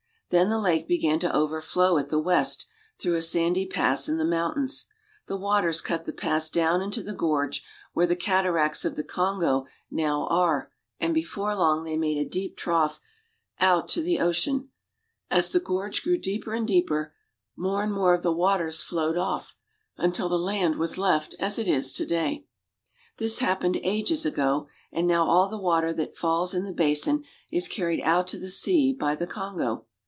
Then the lake began to overflow at the west, through a sandy pass in the mountains. The waters cut the pass down into the gorge, where the cataracts of the Kongo now are, and before long they made a deep trough out to the ocean. As the gorge grew deeper and deeper, more and more of the waters flowed off until the land was left as it is to day. This happened ages ago, and now all the water that falls in the basin is carried out to the sea by the Kongo.